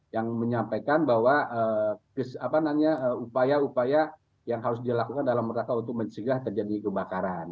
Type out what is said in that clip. yang menyampaikan bahwa upaya upaya yang harus dilakukan dalam rangka untuk mencegah terjadi kebakaran